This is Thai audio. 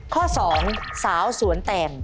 ข้อ๒สาวสวนแต่ง